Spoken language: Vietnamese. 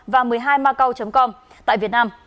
và một mươi hai macau com tại việt nam